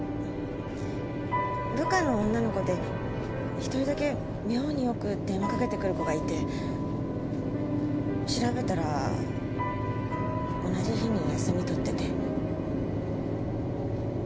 部下の女の子で一人だけ妙によく電話かけてくる子がいて調べたら同じ日に休み取ってて。